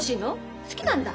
好きなんだ？